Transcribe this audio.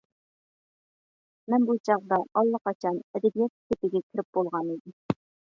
مەن بۇ چاغدا ئاللىقاچان ئەدەبىيات سېپىگە كىرىپ بولغان ئىدىم.